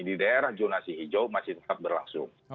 di daerah jonasi hijau masih tetap berlangsung